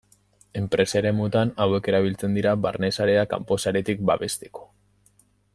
Enpresa eremuetan hauek erabiltzen dira barne sarea kanpo saretik babesteko.